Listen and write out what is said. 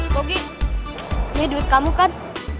pogi ini duit kamu kan